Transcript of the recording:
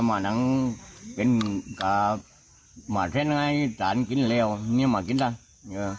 มานั่งเป็นอ่ามาเท่านั้นไงจานกินแล้วเนี่ยมากินล่ะเนี่ย